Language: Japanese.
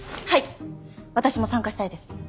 はい私も参加したいです。